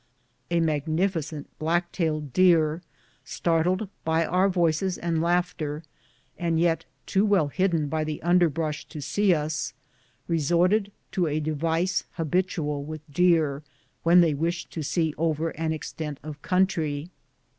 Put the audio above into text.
A magnifi cent black tailed deer, startled by our voices and laugh ter, and yet too well hidden by the underbrush to see us, resorted to a device habitual with deer when they wish to see over an extent of country.